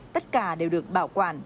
tất cả đều được bảo quản